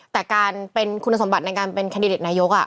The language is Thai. แต่การเป็นคุณสมบัติในการเป็นคันดิเดตนายก